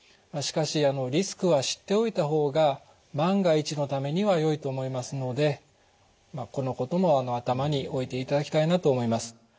しかしリスクは知っておいた方が万が一のためにはよいと思いますのでこのことも頭に置いていただきたいなと思います。